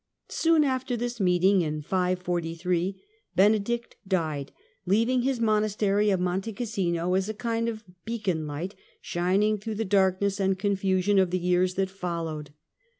1 Soon after this meeting, in 543, Benedict died, leaving his monastery of Monte Cassino as a kind of beacon light shining through the darkness and confusion of the years that followed.